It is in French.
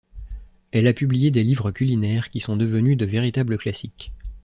Elle a publié des livres culinaires qui sont devenus de véritables classiques.